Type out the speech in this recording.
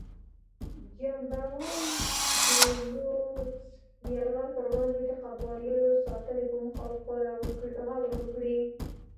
چمبرلاین د رودز د یرغل پر وړاندې د قبایلو ساتنې په موخه غور وکړي.